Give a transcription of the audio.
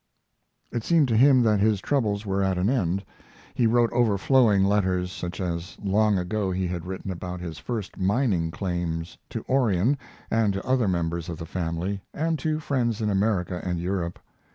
It seemed to him that his troubles were at an end. He wrote overflowing letters, such as long ago he had written about his first mining claims, to Orion and to other members of the family and to friends in America and Europe.